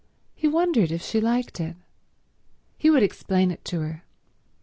He wondered if she liked it. He would explain it to her.